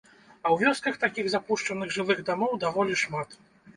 А ў вёсках такіх запушчаных жылых дамоў даволі шмат.